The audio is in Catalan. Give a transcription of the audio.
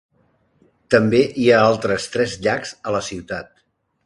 També hi ha tres altres llacs a la ciutat.